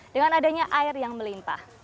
dengan adanya air yang melimpah